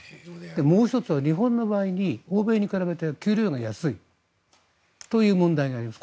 もう１つは日本の場合は欧米に比べて給料が安いという問題があります。